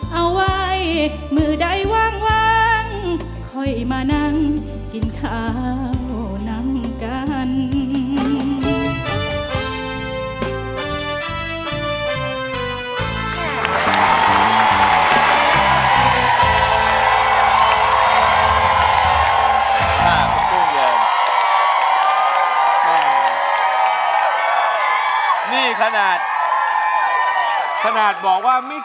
เอาไว้มือใดวางค่อยมานั่งกินข้าวนำกัน